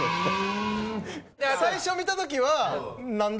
最初見たときは何だ？